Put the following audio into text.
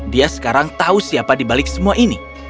dia sekarang tahu siapa dibalik semua ini